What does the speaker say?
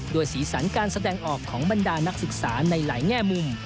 สีสันการแสดงออกของบรรดานักศึกษาในหลายแง่มุม